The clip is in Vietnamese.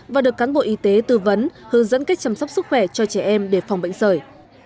và được cán bộ y tế tư vấn hướng dẫn cách chăm sóc sức khỏe cho trẻ em để phòng bệnh sởi